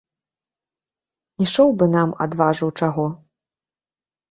Ішоў бы нам адважыў чаго.